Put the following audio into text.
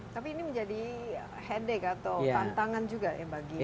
tapi ini menjadi headache atau tantangan juga ya bagi pak haris